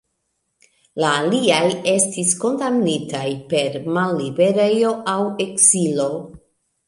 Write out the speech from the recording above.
La aliaj estis kondamnitaj per malliberejo aŭ ekzilo.